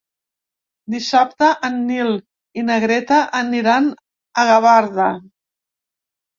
Dissabte en Nil i na Greta aniran a Gavarda.